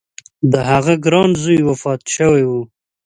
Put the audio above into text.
د هغه ګران زوی وفات شوی و.